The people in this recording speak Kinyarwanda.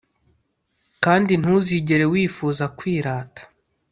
kandi ntuzigere wifuza kwirata.